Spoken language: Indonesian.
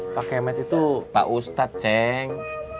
pak kemet itu pak ustad ceng